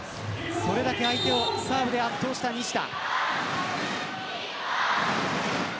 それだけサーブをサーブで相手を圧倒した西田。